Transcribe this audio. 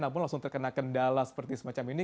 namun langsung terkena kendala seperti semacam ini